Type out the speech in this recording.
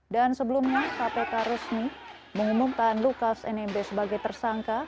dan sebelumnya kpk resmi mengumumkan lukas nmb sebagai tersangka